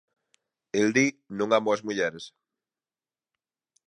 El di: Non amo as mulleres.